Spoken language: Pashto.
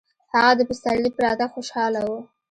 هغه د پسرلي په راتګ خوشحاله و.